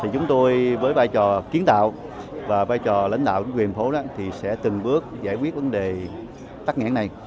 chúng tôi với vai trò kiến tạo và vai trò lãnh đạo của quyền thành phố sẽ từng bước giải quyết vấn đề tắc nghẽn này